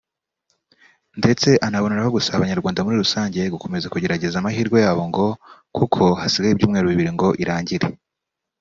ndetse anaboneraho gusaba abanyarwanda muri rusange gukomeza kugerageza amahirwe yabo ngo kuko hasigaye ibyumweru bibiri ngo irangire